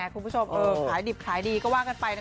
คุณผู้ชมขายดิบขายดีก็ว่ากันไป